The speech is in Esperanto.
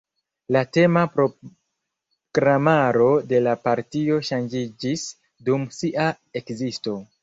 La tema programaro de la partio ŝanĝiĝis dum sia ekzisto.